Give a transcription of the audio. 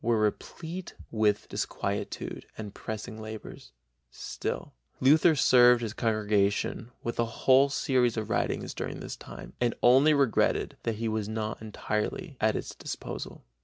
were replete with disquietude and pressing labors; still Luther served his congregation with a whole series of writings during this time, and only regretted that he was not entirely at its disposal.